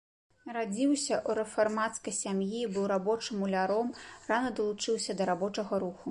Нарадзіўся ў рэфармацкай сям'і, быў рабочым-муляром, рана далучыўся да рабочага руху.